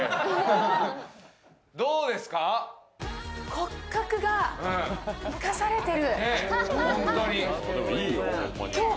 骨格が生かされてる。